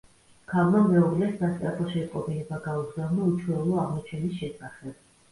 ქალმა მეუღლეს სასწრაფო შეტყობინება გაუგზავნა უჩვეულო აღმოჩენის შესახებ.